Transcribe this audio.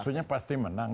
maksudnya pasti menang